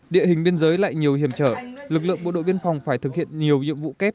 địa hình biên giới lại nhiều hiểm trở lực lượng bộ đội biên phòng phải thực hiện nhiều nhiệm vụ kép